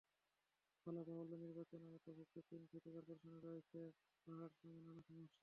বলা বাহুল্য, নির্বাচনের আওতাভুক্ত তিন সিটি করপোরেশনের রয়েছে পাহাড়সম নানা সমস্যা।